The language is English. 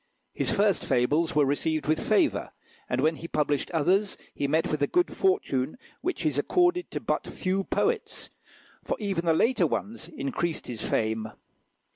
His first fables were received with favour, and when he published others he met with a good fortune which is accorded to but few poets, for even the later ones increased his fame.